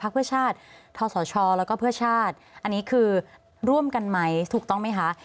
เพื่อชาติทศชแล้วก็เพื่อชาติอันนี้คือร่วมกันไหมถูกต้องไหมคะ